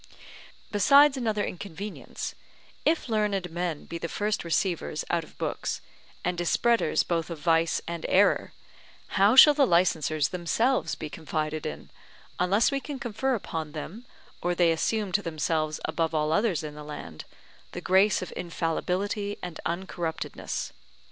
Besides another inconvenience, if learned men be the first receivers out of books and dispreaders both of vice and error, how shall the licensers themselves be confided in, unless we can confer upon them, or they assume to themselves above all others in the land, the grace of infallibility and uncorruptedness?